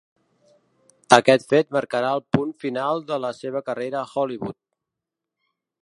Aquest fet marcarà el punt final de la seva carrera a Hollywood.